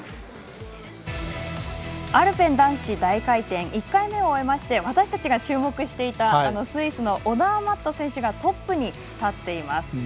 アルペン男子大回転１回目を終えまして私たちが注目していたスイスのオダーマット選手がトップに立っています。